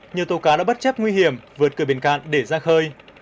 nhiều tàu cá đã bất chấp nguy hiểm vượt cửa biển cạn để ra khơi